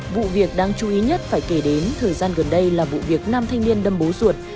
vụ việc đáng chú ý nhất phải kể đến thời gian gần đây là vụ việc nam thanh niên đâm bố ruột